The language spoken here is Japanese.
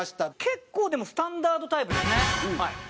結構でもスタンダードタイプですねはい。